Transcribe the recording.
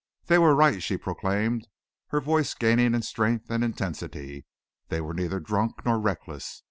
"They were right!" she proclaimed, her voice gaining in strength and intensity. "They were neither drunk nor reckless.